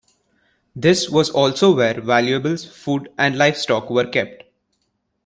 This was also where valuables, food, and livestock were kept.